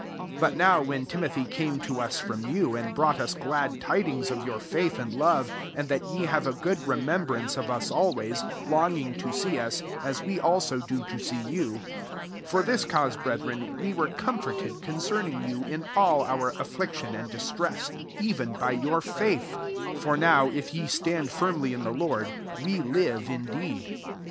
6 But now, when Timothy came to us from you, and brought us glad tidings of your faith and love, and that ye have a good remembrance of us al ways, longing to see us, as we also cfo, to see you ; 7 for this cause, brethren, we were com forted concerning you in all our affliction and distress, even by your faith : 8 for now, if ye stand firmly in the Lord, we live indeed.